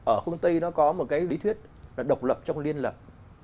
ở phương tây nó có một cái lý thuyết là độc lập trong liên lập